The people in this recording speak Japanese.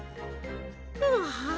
うわ。